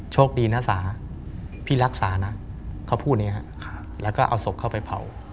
โชคดีนะสาพี่รักษานะเขาพูดอย่างนี้แล้วก็เอาศพเข้าไปเผา